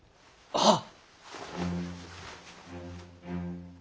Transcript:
はっ！